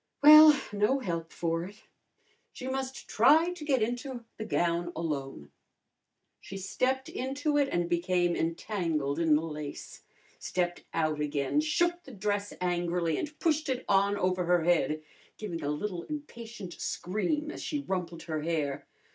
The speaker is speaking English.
Well, no help for it. She must try to get into the gown alone. She stepped into it and became entangled in the lace; stepped out again, shook the dress angrily and pushed it on over her head, giving a little impatient scream as she rumpled her hair.